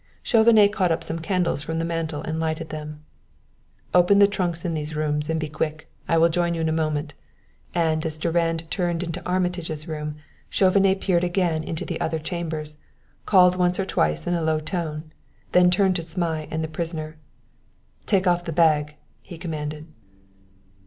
Chauvenet caught up some candles from the mantel and lighted them. "Open the trunks in those rooms and be quick; I will join you in a moment;" and as Durand turned into Armitage's room, Chauvenet peered again into the other chambers, called once or twice in a low tone; then turned to Zmai and the prisoner. "Take off the bag," he commanded.